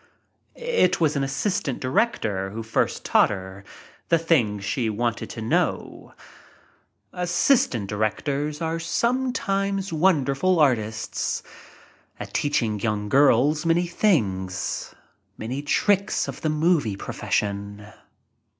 It was an assistant director who first thaught her the things she wanted to know. Assistant directors are sometimes wonder ful artists at teaching young girls many things — many tricks of the movie profession.